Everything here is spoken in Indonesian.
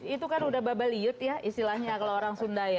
itu kan udah babaliyut ya istilahnya kalau orang sunda ya